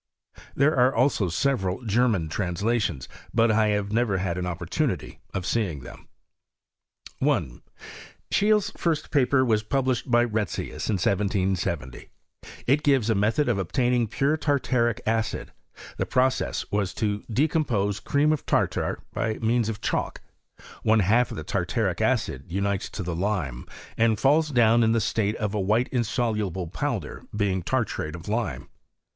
There are also several German trans lations, but I have never had an opportunity of see ing them. 1 . Scheele 's firBt paper was published by Retzius, in 1770; it gives a method of obtaining pure tartaric «cid: the process was to decompose cream of tartar 6y means of chalk. One half of the tartaric acid unites to the lime, and falls down in the state of a white insoluble powder, being tartrate of lime.